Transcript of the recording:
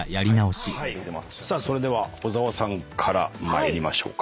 さあそれでは小澤さんから参りましょうか。